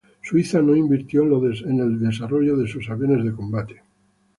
Suiza no invirtió en el desarrollo de sus aviones de combate.